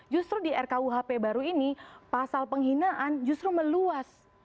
justru di rkuhp baru ini pasal penghinaan justru meluas